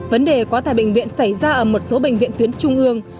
vấn đề có tại bệnh viện xảy ra ở một số bệnh viện tuyến trung ương